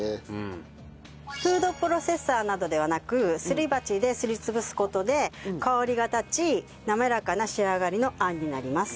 フードプロセッサーなどではなくすり鉢ですり潰す事で香りが立ちなめらかな仕上がりのあんになります。